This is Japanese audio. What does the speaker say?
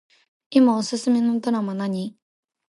いまおすすめのドラマ何